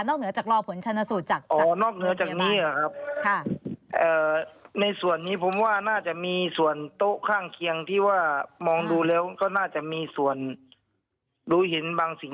เหนือจากรอผลชนสูตรจากอ๋อนอกเหนือจากนี้นะครับในส่วนนี้ผมว่าน่าจะมีส่วนโต๊ะข้างเคียงที่ว่ามองดูแล้วก็น่าจะมีส่วนรู้เห็นบางสิ่ง